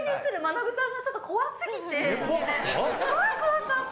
すごい怖かった。